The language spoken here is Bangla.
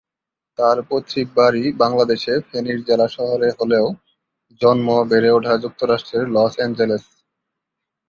তার পৈতৃক বাড়ি বাংলাদেশে ফেনীর জেলা শহরে হলেও জন্ম, বেড়ে ওঠা যুক্তরাষ্ট্রের লস এনঞ্জেলেস।